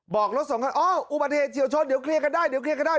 บอกรถสองคันอ๋ออุบัติเหตุเฉียวชนเดี๋ยวเคลียร์กันได้เดี๋ยวเคลียร์กันได้